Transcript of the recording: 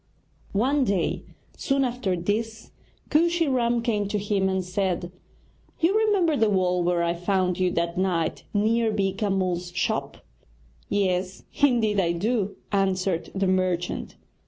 One day, soon after this, Kooshy Ram came to him and said: 'You remember the wall where I found you that night, near Beeka Mull's shop?' 'Yes, indeed I do,' answered the merchant.